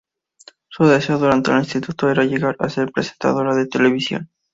Su deseo durante el Instituto era llegar a ser presentadora de televisión.